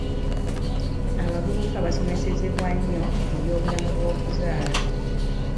Abavubuka basoomozebwa nnyo mu by'obulamu bw'okuzaala.